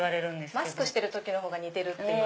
マスクしてる時の方が似てるって。